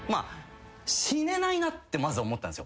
死ねないなってまず思ったんですよ。